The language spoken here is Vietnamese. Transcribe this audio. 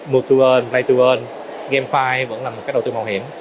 mood to earn play to earn game file vẫn là một cái đầu tư mạo hiểm